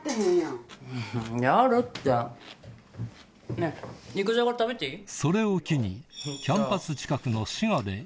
ねぇ肉じゃが食べていい？